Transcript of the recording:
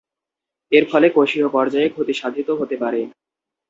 এর ফলে কোষীয় পর্যায়ে ক্ষতি সাধিত হতে পারে।